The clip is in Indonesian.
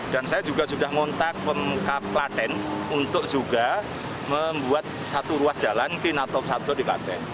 dan saya juga sudah ngontak pemka platen untuk juga membuat satu ruas jalan kinarto sabdo di platen